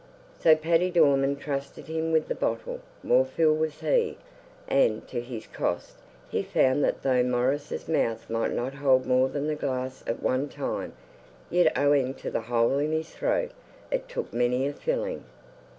So Paddy Dorman trusted him with the bottle more fool was he; and, to his cost, he found that though Maurice's mouth might not hold more than the glass at one time, yet, owing to the hole in his throat, it took many a filling.